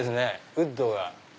ウッドが。